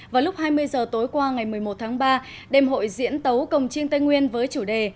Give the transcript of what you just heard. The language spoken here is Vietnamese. vào lúc hai mươi h tối qua ngày một mươi một tháng ba đêm hội diễn tấu cổng trương tây nguyên với chủ đề